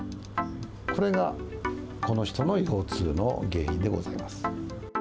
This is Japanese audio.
これが、この人の腰痛の原因でございます。